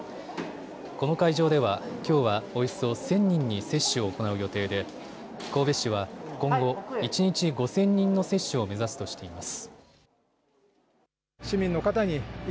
この会場では、きょうはおよそ１０００人に接種を行う予定で神戸市は今後一日５０００人の接種を目指すとしています。